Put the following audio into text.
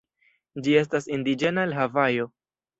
Ĝi estas indiĝena el Havajo.